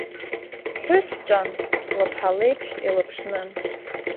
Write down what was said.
Ԥҳәыс ҿан, лыԥҳа леиԥш илыԥшнын.